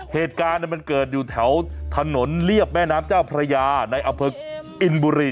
เหตุการณ์มันเกิดอยู่แถวถนนเรียบแม่น้ำเจ้าพระยาในอเภออินบุรี